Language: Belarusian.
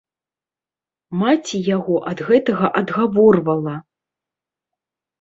Маці яго ад гэтага адгаворвала.